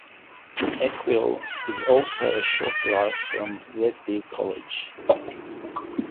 Eckville is also a short drive from Red Deer College.